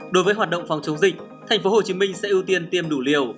đối với hoạt động phòng chống dịch tp hcm sẽ ưu tiên tiêm đủ liều